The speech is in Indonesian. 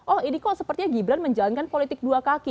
oh ini kok sepertinya gibran menjalankan politik dua kaki